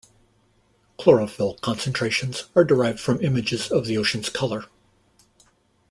Chlorophyll concentrations are derived from images of the ocean's color.